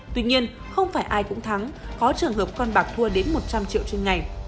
tuy nhiên không phải ai cũng thắng có trường hợp con bạc thua đến một trăm linh triệu trên ngày